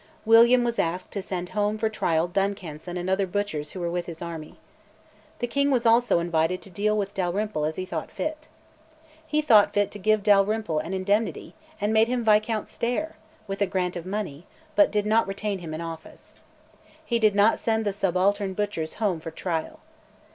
William was asked to send home for trial Duncanson and other butchers who were with his army. The king was also invited to deal with Dalrymple as he thought fit. He thought fit to give Dalrymple an indemnity, and made him Viscount Stair, with a grant of money, but did not retain him in office. He did not send the subaltern butchers home for trial.